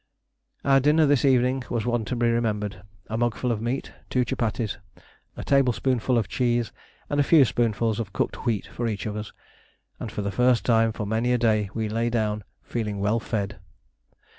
Our dinner this evening was one to be remembered: a mugful of meat, two chupatties, a table spoonful of cheese, and a few spoonfuls of cooked wheat for each of us; and for the first time for many a day we lay down feeling well fed.